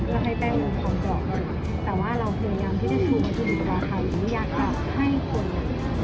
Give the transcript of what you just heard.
กระไขอย่างอยากให้คน